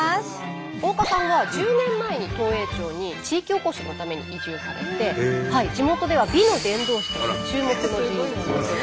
大岡さんは１０年前に東栄町に地域おこしのために移住されて地元では美の伝道師として注目の人物です。